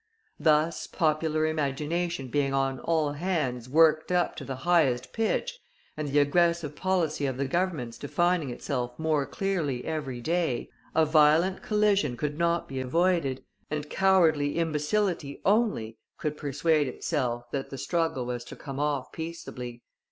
Thus, popular imagination being on all hands worked up to the highest pitch, and the aggressive policy of the Governments defining itself more clearly every day, a violent collision could not be avoided, and cowardly imbecility only could persuade itself that the struggle was to come off peaceably.